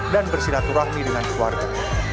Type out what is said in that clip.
dan bersinaturahmi dengan keluarga